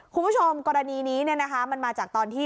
คุณผู้ชมกรณีนี้มันมาจากตอนที่